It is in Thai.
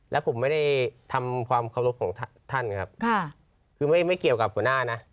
แล้วผมไม่ได้ทำความเคารพของท่านครับคือไม่เกี่ยวกับหัวหน้านะ